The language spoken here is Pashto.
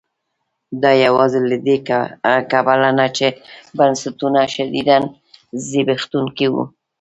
دا یوازې له دې کبله نه چې بنسټونه شدیداً زبېښونکي وو.